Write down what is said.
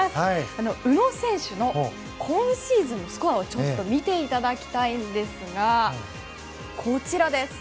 宇野選手の今シーズンのスコアをちょっと見ていただきたいんですがこちらです。